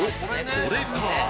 これか！